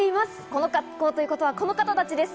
この格好ということは、この方たちです。